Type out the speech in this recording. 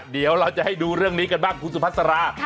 เดี๋ยวเราจะให้ดูเรื่องนี้กันบ้างคุณสุพัสรา